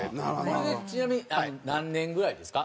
これでちなみに何年ぐらいですか？